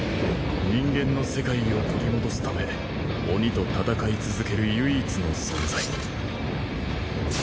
人間の世界を取り戻すため鬼と戦い続ける唯一の存在。